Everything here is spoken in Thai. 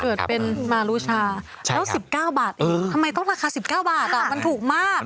เกิดเป็นมารุชาแล้ว๑๙บาทเองทำไมต้องราคา๑๙บาทมันถูกมาก